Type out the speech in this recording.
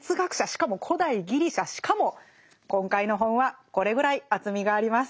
しかも古代ギリシャしかも今回の本はこれぐらい厚みがあります。